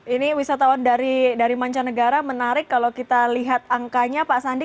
ini wisatawan dari mancanegara menarik kalau kita lihat angkanya pak sandi